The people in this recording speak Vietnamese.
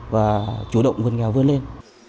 và chủ động vượt nghèo vươn lên